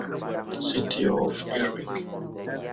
City of Irving.